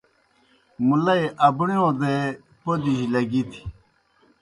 مُلئی ابݨِیؤ دے پوْدِجیْ لگِتھیْ۔